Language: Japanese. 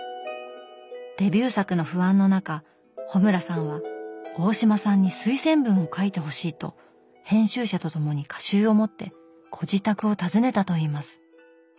デビュー作の不安の中穂村さんは大島さんに推薦文を書いてほしいと編集者と共に歌集を持ってご自宅を訪ねたといいます。